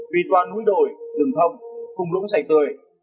vì toàn núi đồi rừng thông khung lũng sạch tươi